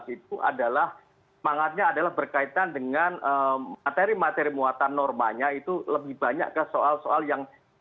sembilan belas dua ribu enam belas itu adalah mangetnya adalah berkaitan dengan materi materi muatan normanya itu lebih banyak ke soal soal yang